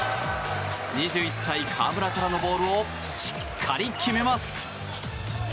２１歳、河村からのボールをしっかり決めます。